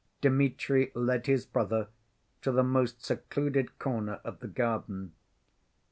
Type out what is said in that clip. Dmitri led his brother to the most secluded corner of the garden.